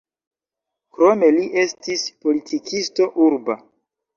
Krome li estis politikisto urba.